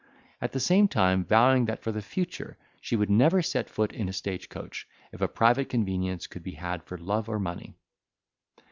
At the same time vowing that for the future she would never set foot in a stage coach, if a private convenience could be had for love or money.